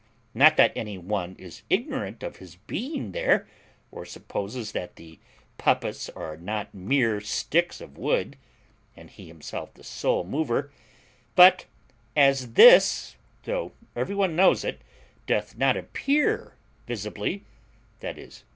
Not that any one is ignorant of his being there, or supposes that the puppets are not mere sticks of wood, and he himself the sole mover; but as this (though every one knows it) doth not appear visibly, i.e.